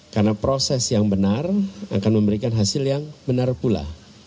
karena proses yang benar akan memberikan hasil yang benar pula